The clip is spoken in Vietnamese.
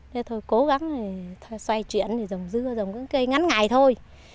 thế thôi cố gắng xoay chuyển thì dòng dưa dòng cây ngắn ngày thôi